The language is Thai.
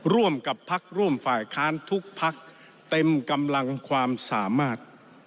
ร่วมกับพักร่วมฝ่ายค้านทุกพักเต็มกำลังความสามารถ